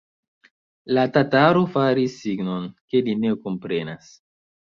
La tataro faris signon, ke li ne komprenas.